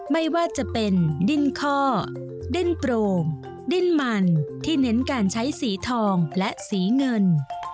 ไม่ว่าจะเป็นดิ้นข้อดิ้นโปร่งดิ้นมันที่เน้นการใช้สีทองและสีเงิน